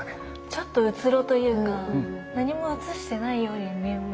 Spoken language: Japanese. ちょっとうつろというか何も映してないように見えますね。